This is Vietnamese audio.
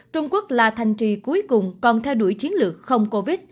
trung quốc là thành trì cuối cùng còn theo đuổi chiến lược không covid